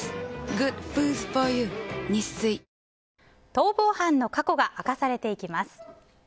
逃亡犯の過去が明かされていきます。